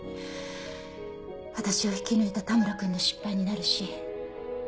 私を引き抜いた田村君の失敗になるし。